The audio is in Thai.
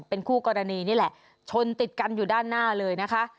เป็นคู่กรณีนี่แหละชนติดกันอยู่ด้านหน้าเลยนะคะ